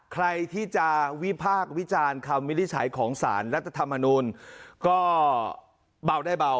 ใครที่จะวิพากษ์วิจารคำไม่ได้ใช้ของสารรัฐธรรมนุนก็เบาได้เบา